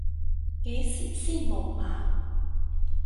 幾時先無碼？